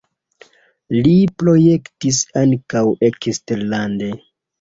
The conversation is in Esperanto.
Li projektis ankaŭ eksterlande.